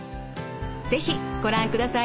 是非ご覧ください。